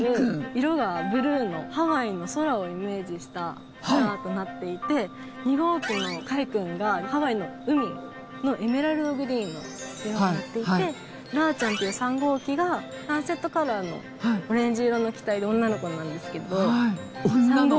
色がブルーのハワイの空をイメージしたカラーとなっていて２号機のカイくんがハワイの海のエメラルドグリーンの色になっていてラーちゃんという３号機がサンセットカラーのオレンジ色の機体で。